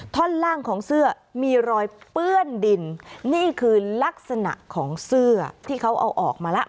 ท่อนล่างของเสื้อมีรอยเปื้อนดินนี่คือลักษณะของเสื้อที่เขาเอาออกมาแล้ว